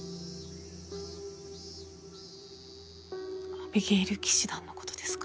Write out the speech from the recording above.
アビゲイル騎士団の事ですか？